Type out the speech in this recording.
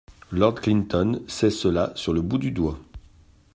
Lord Clinton sait cela sur le bout du doigt.